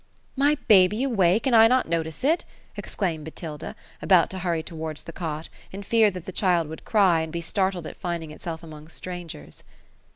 *' My baby awake, and I not notice it !" exclaimed Botilda, about to hurry towards the cot, in fear that the child would cry, and be startled at finding itself among strangers."